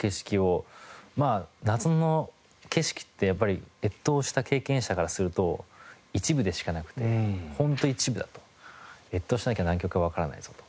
まあ夏の景色ってやっぱり越冬した経験者からすると一部でしかなくて本当一部だと。越冬しなきゃ南極はわからないぞと。